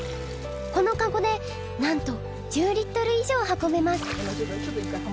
このカゴでなんと１０リットル以上運べます。